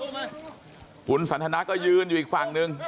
คุณสันทนาก็ยืนอยู่อีกฝั่งหนึ่ง